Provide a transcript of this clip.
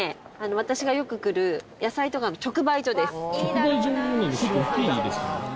私がよく来る野菜とかの直売所です。